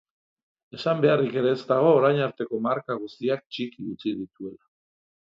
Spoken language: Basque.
Esan beharrik ere ez dago orain arteko marka guztiak txiki utzi dituela.